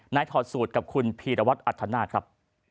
นายถอดสูตรกับคุณพีรวัตน์อัทธานาธิ์ครับ